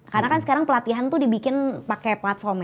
karena kan sekarang pelatihan tuh dibikin pakai platform